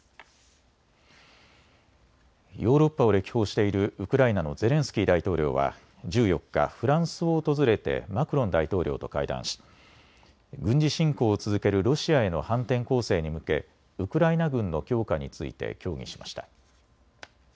ヨーロッパを歴訪しているウクライナのゼレンスキー大統領は１４日、フランスを訪れてマクロン大統領と会談し軍事侵攻を続けるロシアへの反転攻勢に向け、ウクライナ軍の強化について協議しました。